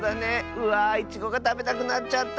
うわいちごがたべたくなっちゃった！